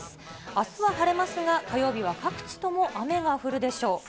あすは晴れますが、火曜日は各地とも雨が降るでしょう。